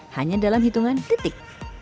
hanya dalam hitungan detik